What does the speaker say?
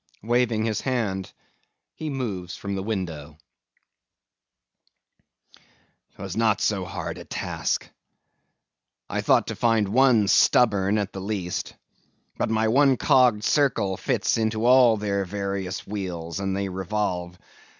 (waving his hand, he moves from the window.) 'Twas not so hard a task. I thought to find one stubborn, at the least; but my one cogged circle fits into all their various wheels, and they revolve.